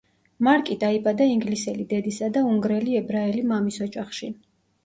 მარკი დაიბადა ინგლისელი დედისა და უნგრელი ებრაელი მამის ოჯახში.